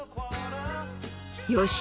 よし！